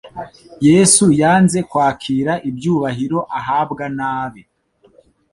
Yesu yanze kwakira ibyubahiro ahabwa n'abe